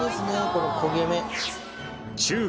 この焦げ目。